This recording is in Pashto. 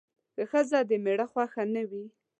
که ښځه د میړه خوښه نه وي